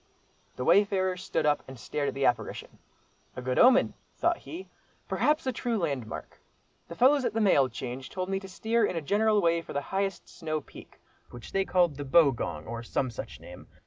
The wayfarer stood up and stared at the apparition: "a good omen," thought he, "perhaps a true landmark. The fellows at the mail change told me to steer in a general way for the highest snow peak, which they called 'the Bogong,' or some such name.